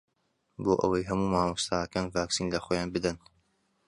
بۆ ئەوەی هەموو مامۆستاکان ڤاکسین لەخۆیان بدەن.